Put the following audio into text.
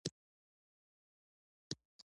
ځکه تاسو د یو څه وخت لپاره هر څه هیروئ.